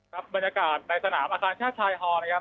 ครับบรรยากาศในสนามอาคาชาชัยทร์ฮอล์นะครับ